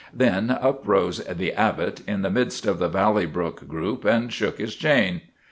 Then up rose The Abbot, in the midst of the Valley Brook group, and shook his chain.